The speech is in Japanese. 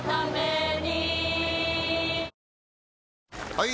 ・はい！